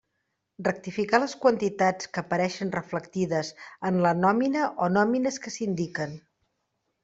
Rectificar les quantitats que apareixen reflectides en la nòmina o nòmines que s'indiquen.